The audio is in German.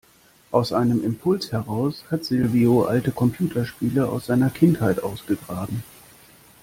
Aus einem Impuls heraus hat Silvio alte Computerspiele aus seiner Kindheit ausgegraben.